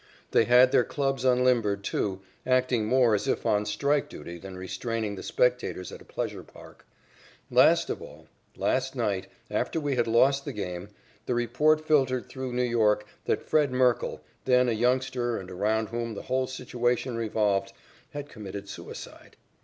They had their clubs unlimbered, too, acting more as if on strike duty than restraining the spectators at a pleasure park. Last of all, that night, after we had lost the game, the report filtered through New York that Fred Merkle, then a youngster and around whom the whole situation revolved, had committed suicide.